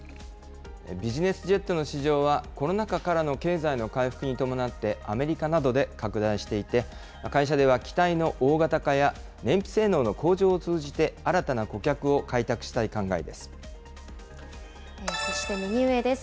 ビジネスジェットの市場は、コロナ禍からの経済の回復に伴って、アメリカなどで拡大していて、会社では機体の大型化や燃費性能の向上を通じて、新たな顧客を開そして、右上です。